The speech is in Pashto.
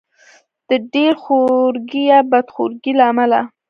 د ډېر خورګۍ یا بد خورګۍ له امله.